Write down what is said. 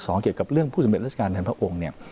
เกี่ยวกับเรื่องผู้สำเร็จราชการแทนพระองค์เนี่ย